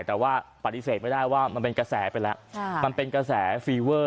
แต่ว่าปฏิเสธไม่ได้ว่ามันเป็นกระแสไปแล้วมันเป็นกระแสฟีเวอร์